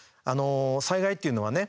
災害というのはね